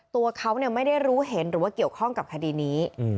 ตัวเขาไม่ได้รู้เห็นหรือว่าเกี่ยวข้องกับคดีนี้